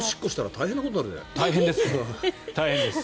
大変です。